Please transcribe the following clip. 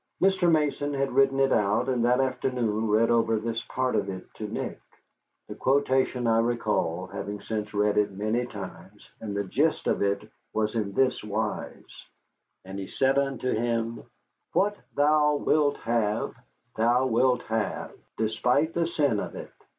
Mr. Mason had written it out and that afternoon read over this part of it to Nick. The quotation I recall, having since read it many times, and the gist of it was in this wise: "And he said unto him, 'What thou wilt have thou wilt have, despite the sin of it.